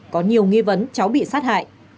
có nhiều nghi vấn cháu bị sát hại